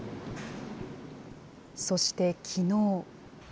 そしてきのう。